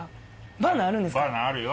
バーナーあるよ。